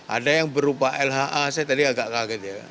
ada yang berupa lha saya tadi agak kaget ya